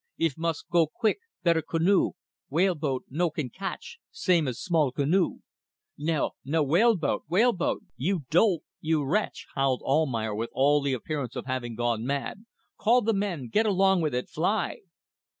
"If must go quick, better canoe. Whale boat no can catch, same as small canoe." "No, no! Whale boat! whale boat! You dolt! you wretch!" howled Almayer, with all the appearance of having gone mad. "Call the men! Get along with it. Fly!"